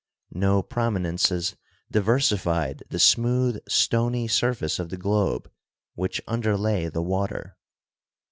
No prominences diversified the smooth stony surface of the globe which underlay the water.